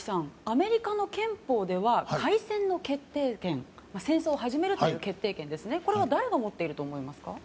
アメリカの憲法では開戦の決定権戦争を始めるという決定権を誰が持っていると思いますか？